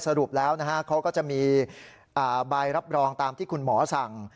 สรุปแล้วนะฮะเขาก็จะมีใบรับรองตามที่คุณหมอสั่ง